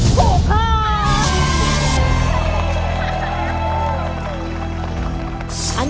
โอ้โฮโอ้โฮโอ้โฮ